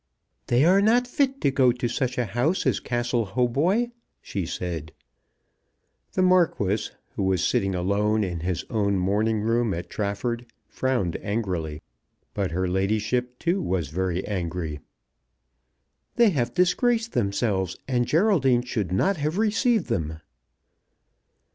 "They are not fit to go to such a house as Castle Hautboy," she said. The Marquis, who was sitting alone in his own morning room at Trafford, frowned angrily. But her ladyship, too, was very angry. "They have disgraced themselves, and Geraldine should not have received them."